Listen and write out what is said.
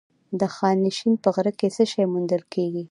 د خانشین په غره کې څه شی موندل کیږي؟